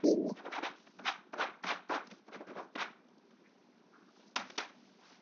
maeneo ya hifadhi za wanyama kasha kuharibu mazingira au kuongezeka kwa tatizo la ujangili